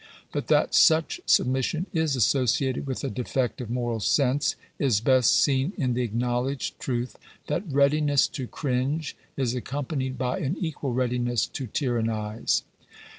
But that such submission is associated with a I defect of moral sense, is best seen in the acknowledged truth / that readiness to cringe is accompanied by an equal readiness to tyrannize.